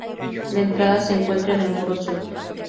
La entrada se encuentra en el muro sur.